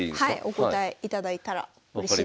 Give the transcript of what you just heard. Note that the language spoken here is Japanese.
お答えいただいたらうれしいです。